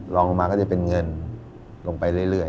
ลงมาก็จะเป็นเงินลงไปเรื่อย